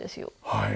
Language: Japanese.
はい。